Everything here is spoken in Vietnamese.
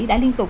đã liên tục